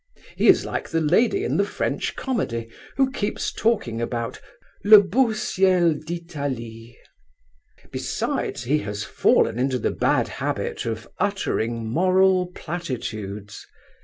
He is like the lady in the French comedy who keeps talking about "le beau ciel d'Italie." Besides, he has fallen into the bad habit of uttering moral platitudes.